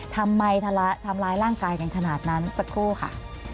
ทำร้ายร่างกายกันขนาดนั้นสักครู่ค่ะ